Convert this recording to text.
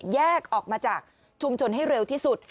แยกออกมาจากชุมชนให้เร็วที่สุด